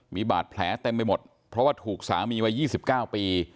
มีบาดแผลเต็มไปหมดเพราะว่าถูกสามีวัย๒๙ปี